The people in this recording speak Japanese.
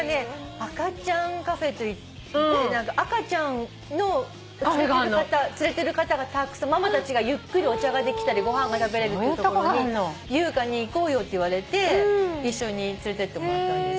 赤ちゃんカフェって赤ちゃんを連れてる方がママたちがゆっくりお茶ができたりご飯が食べれるっていう所に優香に行こうよっていわれて一緒に連れてってもらったんですけど。